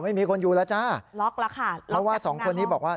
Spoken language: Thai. ไม่มีคนอยู่แล้วจ้าล็อกแล้วค่ะเพราะว่าสองคนนี้บอกว่า